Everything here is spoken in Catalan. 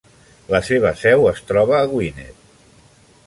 La seva seu es troba a Gwened.